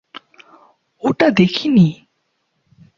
ওটা দেখিনি।